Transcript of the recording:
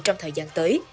trong thời gian tới